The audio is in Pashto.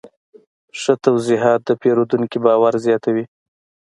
ښه توضیحات د پیرودونکي باور زیاتوي.